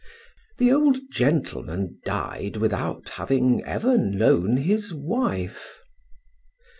The old gentleman died without having ever known his wife.